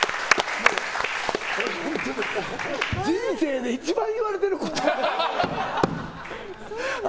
○！人生で一番言われてることやわ。